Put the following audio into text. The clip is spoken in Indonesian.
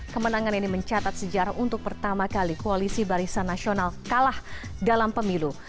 kemenangan ini mencatat sejarah untuk pertama kali koalisi barisan nasional kalah dalam pemilu